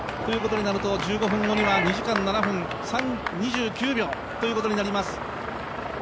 １５分後には２時間７分２９秒ということになります。